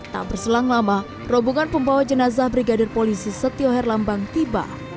tak berselang lama rombongan pembawa jenazah brigadir polisi setio herlambang tiba